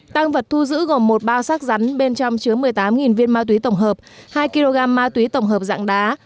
tăng vật thu giữ gồm một bao sắc rắn bên trong chứa một mươi tám viên ma túy tổng hợp hai kg ma túy tổng hợp dạng đá